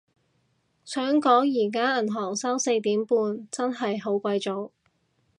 想講而家銀行收四點半，真係好鬼早